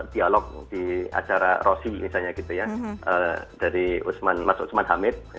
dialog di acara rosi misalnya gitu ya dari usman hamid